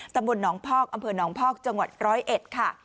ตำบลหนองพอกอำเภอหนองพอกจังหวัดร้อยเอ็ดค่ะ